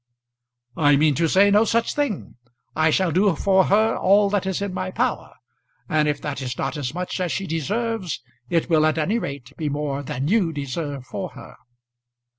"I mean to say no such thing. I shall do for her all that is in my power. And if that is not as much as she deserves, it will, at any rate, be more than you deserve for her."